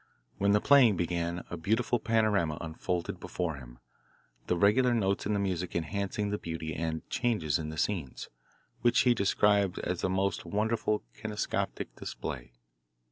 When the playing began a beautiful panorama unfolded before him the regular notes in the music enhancing the beauty, and changes in the scenes, which he described as a most wonderful kinetoscopic display.